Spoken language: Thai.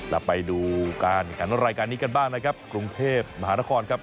แล้วไปดูการแข่งรายการนี้กันบ้างนะครับกรุงเทพมหานครครับ